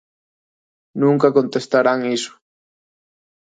Nunca contestarán iso.